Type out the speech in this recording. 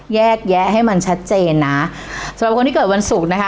แยกแยะให้มันชัดเจนนะสำหรับคนที่เกิดวันศุกร์นะคะ